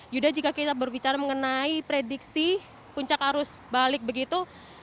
yuda jika kita berbicara mengenai prediksi puncak arus balik begitu